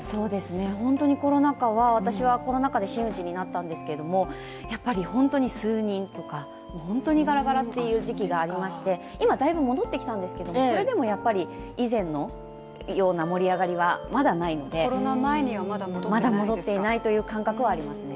本当に私はコロナ禍で真打ちになったんですけれども、本当に数人とか、本当にガラガラっていう時期がありまして、今だいぶ戻ってきたんですが、それでも以前のような盛り上がりはまだないのでまだ戻っていないという感覚はありますね。